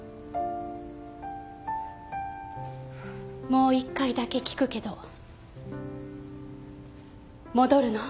もう一回だけ聞くけど戻るの？